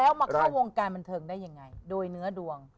แล้วมาเข้าวงการบันเทิงได้ยังไงโดยเนื้อดวง